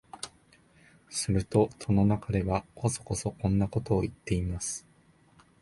すると戸の中では、こそこそこんなことを言っています